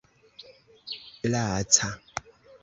laca